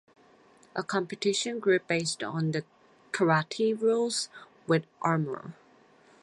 A competition group based on the karate rules with armor.